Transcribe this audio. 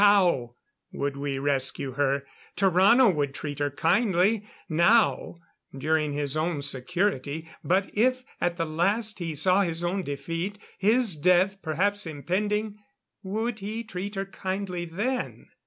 How would we rescue her? Tarrano would treat her kindly, now during his own security. But if, at the last, he saw his own defeat, his death perhaps impending would he treat her kindly then?